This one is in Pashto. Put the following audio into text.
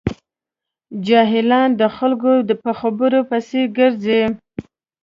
جاهلان د خلکو په خبرو پسې ګرځي.